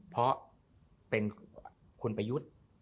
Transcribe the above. เพราะเป็นคุณประยุทธ์